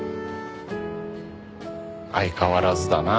相変わらずだなあ。